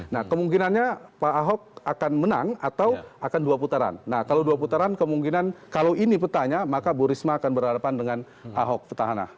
nah kemungkinannya pak ahok akan menang atau akan dua putaran nah kalau dua putaran kemungkinan kalau ini petanya maka bu risma akan berhadapan dengan ahok petahana